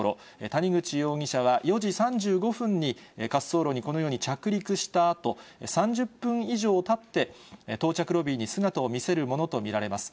谷口容疑者は４時３５分に、滑走路にこのように着陸したあと、３０分以上たって到着ロビーに姿を見せるものと見られます。